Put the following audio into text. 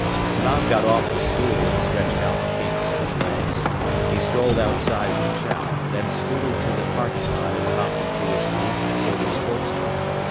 Tom got off the stool and stretched out the kinks in his legs. He strolled outside with Chow, then scootered to the parking lot and hopped into his sleek, silver sports car.